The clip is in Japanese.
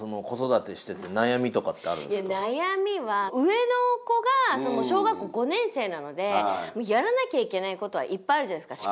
悩みは上の子が小学校５年生なのでやらなきゃいけないことはいっぱいあるじゃないですか。